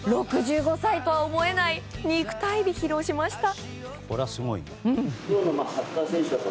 ６５歳とは思えない肉体美を披露しました。